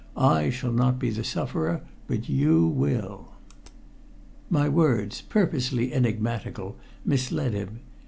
I shall not be the sufferer but you will." My words, purposely enigmatical, misled him.